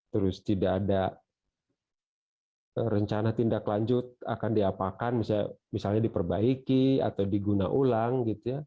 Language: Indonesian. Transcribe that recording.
terus tidak ada rencana tindak lanjut akan diapakan misalnya diperbaiki atau diguna ulang gitu ya